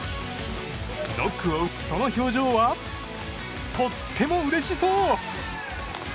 ノックを打つ、その表情はとってもうれしそう！